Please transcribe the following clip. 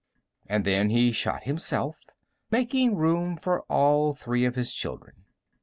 And then he shot himself, making room for all three of his children.